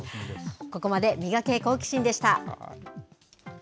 ここまでミガケ、好奇心！でした。